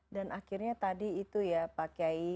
dan akhirnya tadi itu ya pak kiai